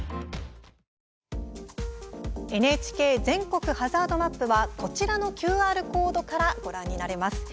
ＮＨＫ全国ハザードマップは、こちらのＱＲコードからご覧になれます。